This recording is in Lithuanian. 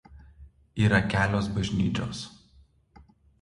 Yra kelios bažnyčios.